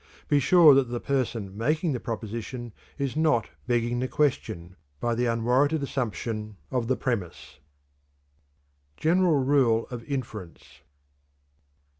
Be sure that the person making the proposition is not "begging the question" by the unwarranted assumption of the premise. GENERAL RULE OF INFERENCE.